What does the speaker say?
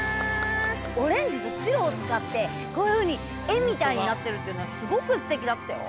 オレンジとしろをつかってこういうふうにえみたいになってるっていうのがすごくすてきだったよ。